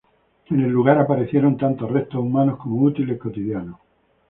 En el lugar aparecieron tanto restos humanos como útiles cotidianos.